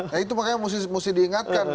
nah itu makanya mesti diingatkan